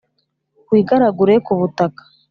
wigaragure ku butaka,